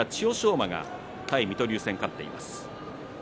馬が対水戸龍戦、勝っています。